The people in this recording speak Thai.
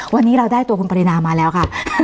วันนี้เราได้ตัวคุณปรินามาแล้วค่ะ